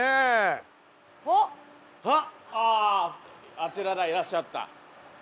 あちらだいらっしゃった。